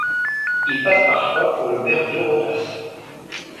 Il passe parfois pour le père d'Eurotas.